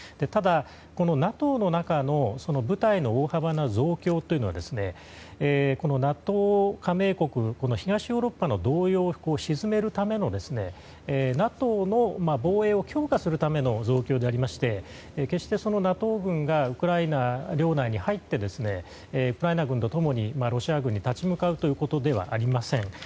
ただ、ＮＡＴＯの中の部隊の大幅な増強というのはＮＡＴＯ加盟国東ヨーロッパの動揺を鎮めるためのＮＡＴＯの防衛を強化するための増強でありまして決してＮＡＴＯ軍がウクライナ領内に入ってウクライナ軍と共にロシア軍に立ち向かうということではありません。